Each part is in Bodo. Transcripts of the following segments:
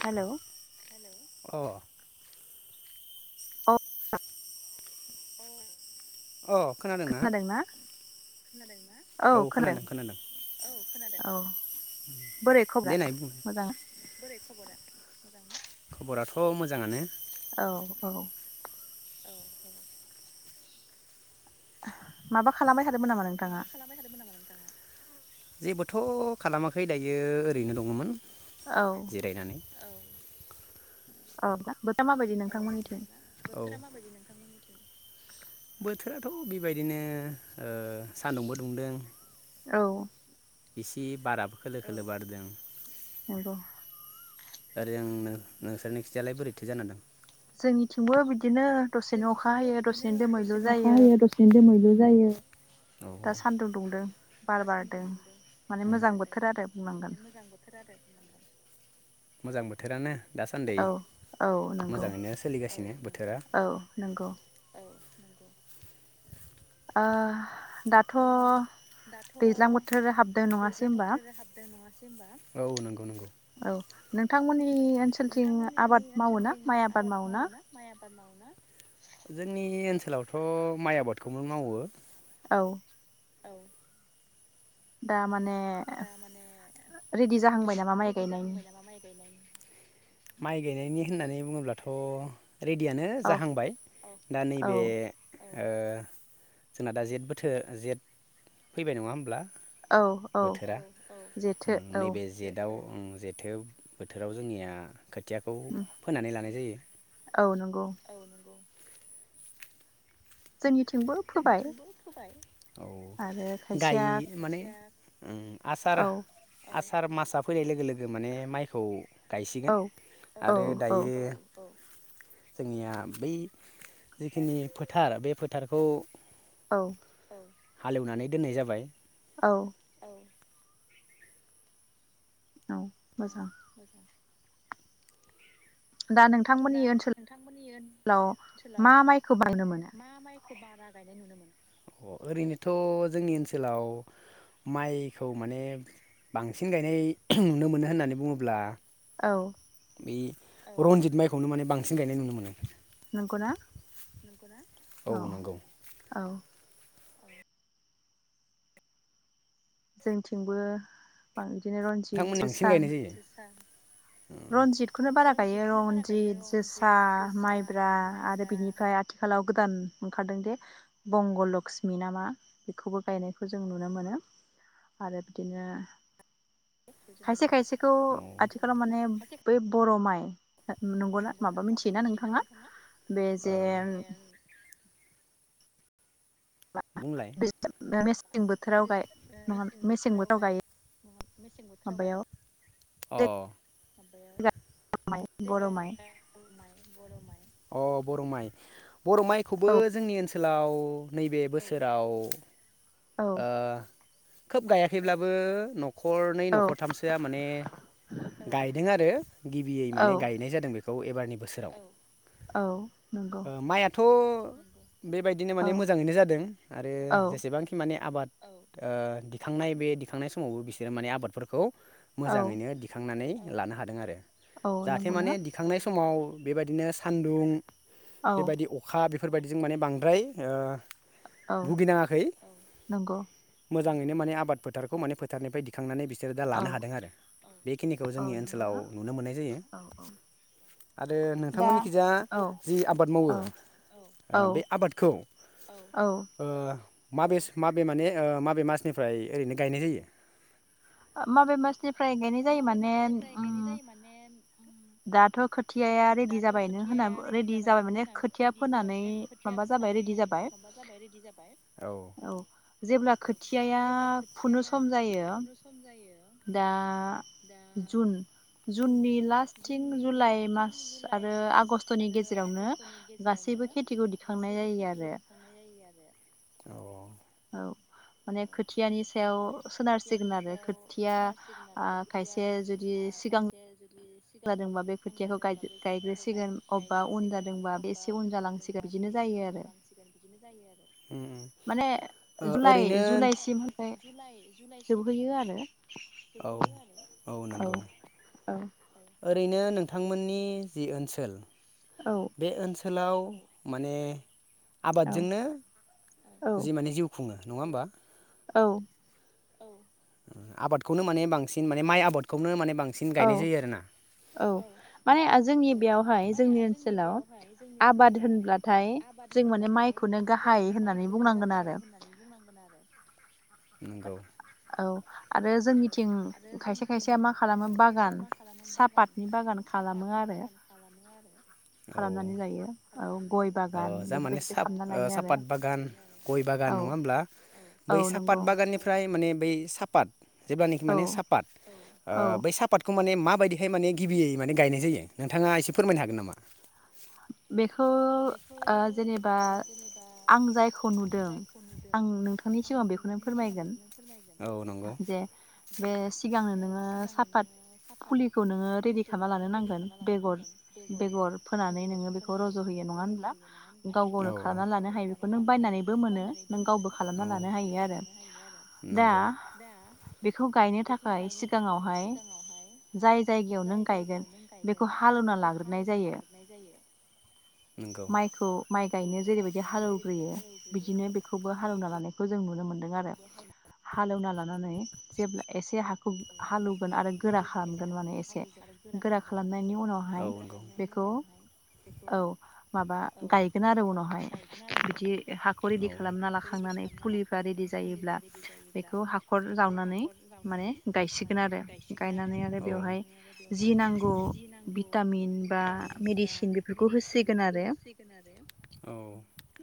हेलौ अ औ [inaudible] अ खोनादोंना खोनादों औ खोनादों खोनादों औ खोनादों औ बोरै दे खबरा नाय बुं मोजां बोरै खबरा खबराथ' मोजाङानो औ औ औ औ माबा खालामबाय था माबा खालामबाय थादोंमोन नामा नोंथाङा जेबोथ' खालामाखै दायो ओरैनो दङमोन औ औ औबा रा माबायदि नोंथांमोननिथिं औ बोथोरा माबायदि नोंथांमोननिथिं? बोथोराथ' बेबायदिनो ओ सान्दुंबो दुंदों औ। इसे बाराबो खोलो खोलो बारदों नंगौ। ओरै आंनो नोंसोरनि खिथियालाय बोरैथो जाना दं। जोंनिथिंबो बिदि जोंथिबो बिदिनो दसेनो अखा जायो हयो दसेनो दोमैबो जायो दा सान्दुं दुंदों बार बारदों माने मोजां बोथोर आरो बुंनांगोन [unintelligible] मोजां बोथोरानो दासान्दि औ औ नंगौ मोजाङैनो सोलिगासिनो बोथोरा औ नंगौ औ। ओ दाथ' दैज्लां बोथोर हाबदों नङासै होनबा औ नंगौ नंगौ औ नोंथांमोननि ओनसोलथिं आबाद मावो ना माइ आबाद मावो ना? आबाद मावो ना जोंनि ओनसोलावथ' माइ आबादखौनो मावो औ। औ। दा माने रेडि जाहांबाय नामा माइ गायनायनि माइ गायनायनि होननानै बुङोब्लाथ' रेडियानो औ जाहांबाय दा औ नैबेए ओ जोंना दा जेथ बोथोर जेट फैबाय नङा होमब्ला? औ औ बोथोरा उम जेथो औ। नैबे जेटआव जेथो बोथोराव जोंनिया खोथियाखौ फोनानै लानाय जायो। औ नंगौ। जोंनि [unintelligible] औ आरो गाय खायसेया माने आसार औ आस सार मासआ फैनाय लोगो लोगो माने माइखौ गायसिगोन औ औ आरो औ दायो। जोंनिया बै जिखिनि फोथार बे फोथार खौ औ। हालेवनानै दोननाय जाबाय। औ [inaudible] औ मोजां। [inaudible] दा नोंथांमोननि ओनसोलाव मा माइखौ बायनो मोनो? ओरैनोथ' जोंनि ओनसोलाव माइखौ माने बांसिन गायनाय नुनो मोनो होननानै बुङोब्ला औ बि रनजित माइखौनो माने बांसिन गायनाय नुनो मोनो नंगौना औ नंगौ औ जोंथिंबो बांसिन बिदिनो नोंथांमोन रनजित बांसिन जोसा गायनाय जायो रनजितखौनो बारा गायो रनजित जोसा माइब्रा आरो बिनिफ्राय आथिखालाव गोदान ओंखारदों दि बंग' लक्षस्मि नामा बेखौबो गायनायखौ जों नुनो मोनो आरो बिदिनो खायसे खायसेखौ औ आथिखालाव माने बै बर' माइ नंगौना माबा मिथियोना नोंथाङा बे ओ जे बुंलाय [unintelligible] अ गाय जाया नङा [unintelligible] मेसें बोथोराव गायो माबायाव बर' माइ बर' माइ अ बर' माइ बर' माइखौबो औ जोंनि ओनसोलाव नैबे बोसोराव औ ओ खोब गायाखैब्लाबो न न'खरनै औ न'खरथामसोआ माने गायदों आरो गिबियै औ माने गायनाय जादों बेखौ खौ एबारनि बोसोराव औ नंगौ थ' बेबायदिनो औ माने मोजाङैनो जादों आरो औ जेसेबांखि माने आबाद दिखांनाय बे दिखांनाय समावबो बिसोरो माने आबादफोरखौ औ मोजाङैनो दिखांनानै लानो हादों आरो औ जाहाथे माने नंगौना दिखांनाय समाव बेबायदिनो सान्दुं औ बेबायदि अखा बे बेफोरबायदिजों माने बांद्राय ओ औ भुगिनाङाखै नंगौ मोजाङैनो माने आबाद फोथारखौ माने फोथारनिफ्राय दिखांनानै बि सोर दा औ लानो हादों आरो बेखिनिखौ औ जोंनि ओनसोलाव नंगौना नुनो मोननाय जायो औ औ आरो दा नोंथांमोननिखिजा औ जि आबाद मावो औ बे ओ आबादखौ औ ओ माबे माबे माने ओ माबे मासनिफ्राय ओरैनो गायनाय जायो? माबे मासनिफ्राय गायनाय जायो माने उम दाथ' खोथियाया रेडि जाबायनो होन रेडि जाबाय माने खोथिया फोनानै माबा जाबाय रेडि जाबाय औ जेब्ला खोथियाया फुनो सम जायो दा जुन जुननि लास्ट जुननि लास्ट थिं जुलाइ मास आगष्टनि आरो गेजेरावनो आगषटनि गासैबो गेजेरावनो खेथिखौ दिखांनाय गासैबो जायो खेथिखौ आरो दिखांनाय जायो आरो औ औ माने खोथियानि सायाव सोनारसिगोन आरो खोथिया ओ खायसे जुदि सिगां बे सिगां जादोंबा बे खोथियाखौ जादोंबा बे खोथियाखौ गायग्रोसिगोन अबेबा उन गायग्रोसिगोन जादोंबा बे अबेबा एसे उन जालांसिगोन जादोंबा बे बिदिनो एसे जायो उन आरो जालांसिगोन बिदिनो जायो आरो माने जुलाइ जुलाइसिम ओनफ्राय जोबहैयो आरो औ औ नंगौ औ ओरैनो नोंथांमोननि जि ओनसोल औ बे ओन सोलाव माने आबादजोंनो जि औ माने जिउ खुङो नङा होमबा औ औ आबादखौनो माने बांसिन माने माइ आबादखौनो माने बांसिन औ गायनाय जायो आरोना औ माने जोंनि बेयावहाय माने जोंनि ओनसोलाव बेयावहाय जोंनि आबाद ओनसोलाव होनब्लाथाय आबाद जों माने होनब्लाथाय माइखौनो जों गाहाय माने होननानै माइखौनो बुंनांगोन गाहाय आरो होननानै बुंनांगोन आरो नंगौ औ आरो जोंनिथिं खायसे खायसेया मा खालामो बागान सापातनि बागान खालामो आरो औ खालामनानै लायो औ गय औ बागान जा‌‌माने बेफोरबायदिखौ सा खालामना लायो आरो सापात बागान गय बागान नङा होमब्ला औ बै सापात नंगौ बागाननिफ्राय माने बै सापात जेब्लानेकि औ माने सापात ओ औ बै सातखौ माने माबायदिहाय माने गिबियै माने गायनाय जायो नोंथाङा एसे फोरमायनो हागोन नामा बेखौ ओ जेनेबा आं जायखौ नुदों आं नोंथांनि सिगाङाव बेखौनो फोरमायगोन औ गाव जे बे सिगांनो नोङो सापात फुलिखौ नोङो रेदि खालामना लानो नांगोन बेगर बेगर फोना नै नोङो बेखौ रज'होयो रज' होयो नङा होनब्ला औ औ गाव गावनो हायो बेखौ खालामना नों लानो हायो बेखौफ बायनानैबो नों मोनो बायनानैबो नों गावबो मोनो खालामना औ लानो हायो खालामना आरो लानो हायो आरो दा नोंगौ दा बेखौ गायनो बेखौ थाखाय गायनो थाखाय सिगाङावहाय सिगाङावहाय जाय जायगायाव जाय नों गायगोन जायगायाव नों गायगोन बेखौ हालेवना बेखौ लाग्रोनाय हालेवना जायो लाग्रोबाय जायो। माइखौ माइ गायनो जेरैबायदि हालेवग्रोयो बिदिनो बेखौबो हालेवना लानायखौ जों नु [unintelligible] दों आरो हालेवना ला नानै जेब्ला एसे हाखौ हाल एवगोन आरो गोरा खालामगोन माने एसे गोरा खालामनायनि उनावहाय बेखौ औ माबा गायगोन आरो उनावहाय बिदि हाखौ रेदि बे खालामना लाखांनानै फुलिफ्रा रेदि जायोब्ला बेखौ हाखर जावनानै माने गायसिगोन आरो गायनानै आरो बेवहाय जि नांगौ भिटामिन बा मेडिन मेडिसिन बेफोरखौ होसिगोन आरो औ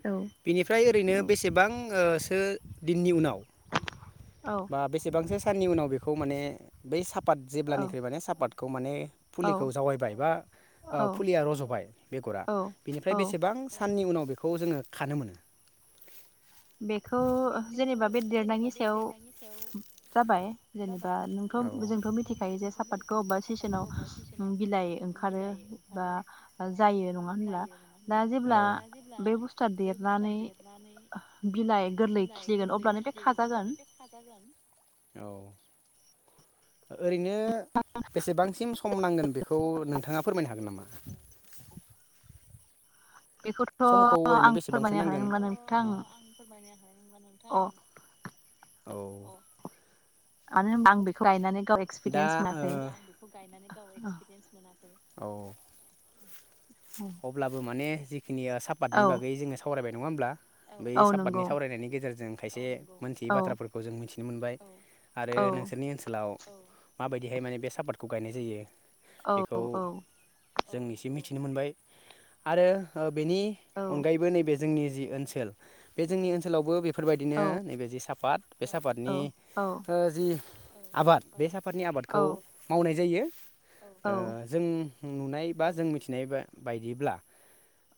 औ बिनिफ्राय ओरैनो बेसेबां आ सो दिननि उनाव औ बा बेसेबांसो साननि उनाव बेखौ खौ माने बै साफ सापात औ जेब्लानिख्रुइ माने सापातखौ माने औ फुलिखौ जावायबाय बा ओ औ फुलिया रजबाय बेगरा औ बिनिफ्राय औ बेसेबां साननि उनाव बेखौ जोङो खानो मोनो बेखौ जेनेबा बे देरनायनि सायाव जाबाय जेनेबा नोंथ जोंथ मिथिखायो जे सापातखौ अबेबा सिसोनाव बिलाइ ओंखारो बा जायो नङा होनब्ला दा जेब्ला बे बुस्थुआ देरनानै बिलाइ गोरलै बिलाइ खिलिगोन गोरलै अब्लानो बे खिलिगोन खाजागोन अब्लानो बे खाजागोन औ ओरैनो बेसेबांसिम सम नांगोन बेखौ नोंथाङा फोरमायनो हागोन नामा? बेखौथ' समखौ ओरैनो आं बेसेबांसो फोरमायनो हानाय नांगोन नंला नोंथां अ औ मानो होनबा आं बेखौ गायनानै गाव दा एक्सपिरियेन्स मोनाखै बे गायनानै गाव एसपिरियेन्स मोनै औ अब्लाबो माने बेखिनिया औ सापादनि बागै जोङो सावरायबाय नङा होमब्ला बै औ सापादनि नंगौ सावरायनायनि गेजेरजों खायसे मोनथियै औ बाथ्राफोरखौ जों मिथि नुनो मोनबाय आरो औ नोंसोरनि ओनसोलाव माबायदिहाय माने बे सापातखौ गायनाय जायो। बेखौ औ औ जों एसे मिथिनो मोनबाय आरो बेनि अनगायैबो नैबे जोंनि जि ओनसोल बे जोंनि ओनसोलावबो बे बेफोर बायदिनो औ नैबे जि साफात बे सापादनि औ ओ जि आबाद बे साफादनि आबादखौ मावनाय जायो। ओ औ जों नुनाय बा जों मिथिनाय बायदिब्ला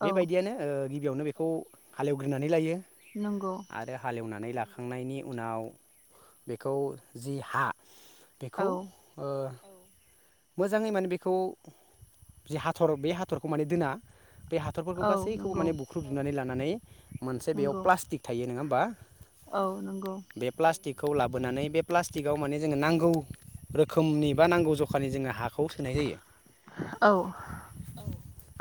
बे औ बायदियानो ओ गिबियावनो बेखौ हालेवग्रोनानै लायो नंगौ आरो हालेवनानै ला खांनायनि उनाव बेखौ जि हा औ बेखौ ओ मोजाङै माने बेखौ जि हाथर बे हाथरखौ माने दोना बे हाथरफोरखौ गासैखौबो नंगौ माने बुख्रुबजनानै लानानै मोनसे बेयाव नंगौ प्लास्टिक थायो नङा होन बा औ नंगौ। खौ लाबोनानै बे प्लास्टिकआव माने जोङो नांगौ रोखोमनि बा नांगौ जखानि जोङो हाखौ सोनाय जायो। औ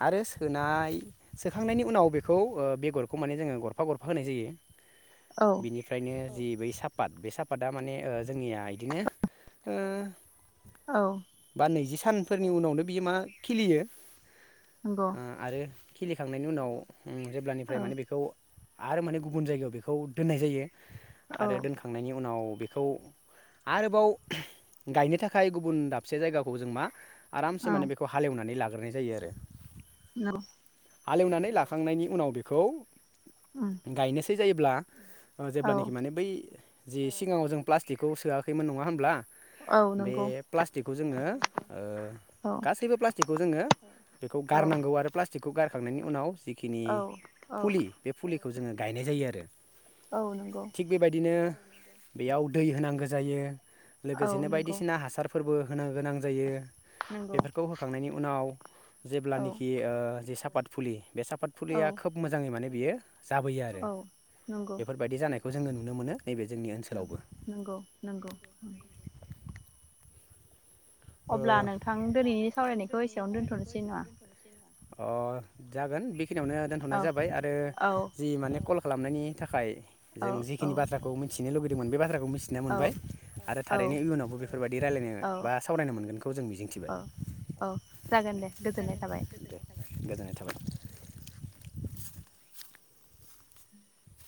आरो सोनाय सोखांनायनि उनाव बेखौ बेगरखौ माने जोङो गरफा गरफा होनाय जायो। औ बिनिफ्रायनो जि बै साफाद बे साफादा माने ओ जोंनिया इदिनो ओ औ बा नैजि सानफोरनि उनावनो बियो मा खिलियो। नंगौ आरो खिलिखांनायनि उनाव ओ जेब्लानिफ्राय औ माने बेखौ आरो माने गुबुन जायगायाव बेखौ दोननाय जायो। औ आरो दोनखांनायनि उनाव बेखौ आरोबाव गायनो थाखाय गुबुन दाबसे जायगाखौ जों मा आरामसे औ माने बेखौ हालेवनानै लागोन गारनाय जायो आरो औ हालेवनानै लाखांनायनि उनाव बेखौ उम गायनो फिजायोब्ला औ जेब्लानाखि माने बै जि सिगाङाव जों प्लास्टिकखौ सोआखैमोन नङा होमब्ला। औ बे नंगौ प्लास्टिकखौ जोङो ओ औ गासैबो प्लास्टिक बेखौ जोङो बेखौ औ गारनांगौ आरो प्लास स्टिकखौ गारखांनायनि उनाव जि खिनि औ औ फुलि बे फुलि जोङो गायनाय जायो आरो औ नंगौ थिग बेबायदिनो बेयाव दै होनांगो जायो औ लोगोसेनो नंगौ बायदिसिना हासारफोरबो होनो गोनां जायो नंगौ बेफोरखौ होखांनायनि उनाव औ जेब्लानखि ओ जे सापात फुलि बे साफाद औ फुलिया खोब मोजाङै माने बेयो जाबोयो आरो औ नंगौ बेफोरबायदि जानायखौ खौ जोङो नुनो मोनो। नैबे जोंनि ओनसोलावबो नंगौ नंगौ। [inaudible] अब्ला ओ नोंथां दिनैनि सावरायनायखौ एसेयावनो दोन्थ'नोसै नङा अ जागोन बि बिखिनियावनो दोनथ'नाय औ जाबाय आरो औ जि माने कल खालामनायनि थाखाय औ जों औ जिखिनि बाथ्राखौ मिथि लुगैदोंमोन बे बाथ्राखौ मि थिनो औ मोनबाय आरो औ थारैनो इयुनावबो बेफोरबायदि औ रायलायनो बा सावरायनो मोनगोनखौ जों मिजिंथिबाय औ औ जागोन दे गोजोननाय थाबाय गोजोनाय थाबाय